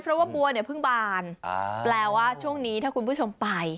เพราะว่าบัวเนี่ยเพิ่งบานแปลว่าช่วงนี้ถ้าคุณผู้ชมไป